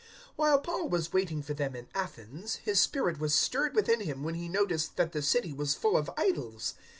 017:016 While Paul was waiting for them in Athens, his spirit was stirred within him when he noticed that the city was full of idols.